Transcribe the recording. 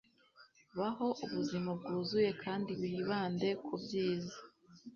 baho ubuzima bwuzuye, kandi wibande ku byiza